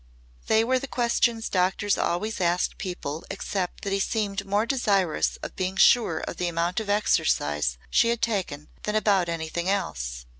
They were the questions doctors always asked people except that he seemed more desirous of being sure of the amount of exercise she had taken than about anything else.